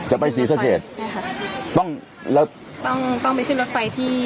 จะไปศรีสะเกดใช่ค่ะต้องแล้วต้องต้องไปขึ้นรถไฟที่